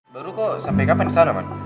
baru kok sampe kapan disana man